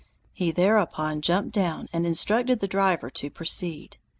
He thereupon jumped down and instructed the driver to proceed.